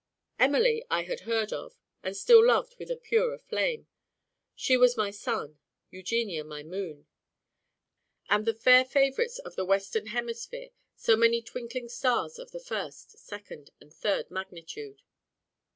Emily I had heard of, and still loved with a purer flame. She was my sun; Eugenia my moon; and the fair favourites of the western hemisphere, so many twinkling stars of the first, second, and third magnitude.